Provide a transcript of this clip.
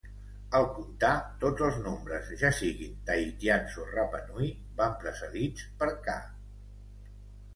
Al comptar, tots els nombres, ja siguin tahitians o rapanui, van precedits per "ka".